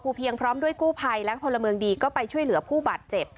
เพียงพร้อมด้วยกู้ภัยและพลเมืองดีก็ไปช่วยเหลือผู้บาดเจ็บ